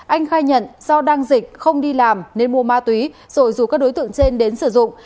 anh khai nhận do đang dịch không đi làm nên mua ma túy rồi rủ các đối tượng trên đến sử dụng